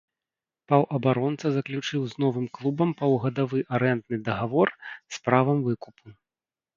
Паўабаронца заключыў з новым клубам паўгадавы арэндны дагавор з правам выкупу.